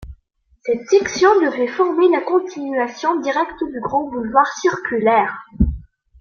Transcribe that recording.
Cette section devait former la continuation directe du grand boulevard circulaire.